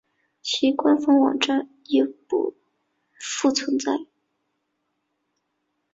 其官方网站亦不复存在。